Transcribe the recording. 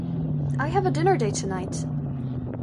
I have a dinner date tonight.